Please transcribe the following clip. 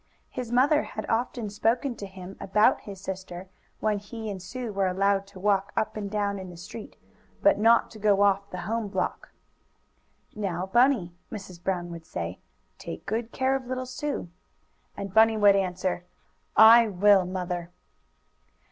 His mother had often spoken to him about his sister when he and Sue were allowed to walk up and down in the street, but not to go off the home block. "Now, Bunny," Mrs. Brown would say, "take good care of little Sue!" And Bunny would answer: "I will, Mother!"